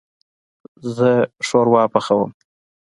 زه شوروا پخوم